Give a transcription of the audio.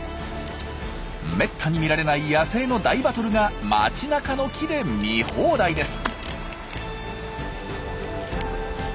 めったに見られない野生の大バトルが街なかの木で見放題です。